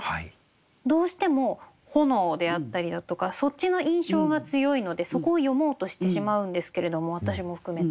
どうしても炎であったりだとかそっちの印象が強いのでそこを詠もうとしてしまうんですけれども私も含めて。